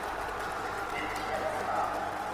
เอเชี่ยนสตาร์